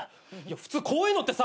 普通こういうのってさ